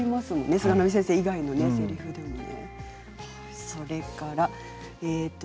菅波先生以外のせりふでもね。